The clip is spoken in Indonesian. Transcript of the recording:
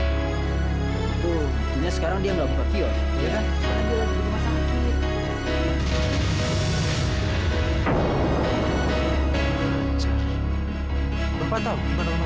tahu tahu kita tahu